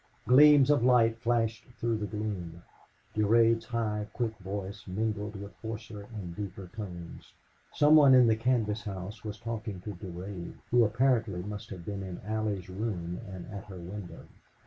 Gleams of light flashed through the gloom. Durade's high, quick voice mingled with hoarser and deeper tones. Some one in the canvas house was talking to Durade, who apparently must have been in Allie's room and at her window.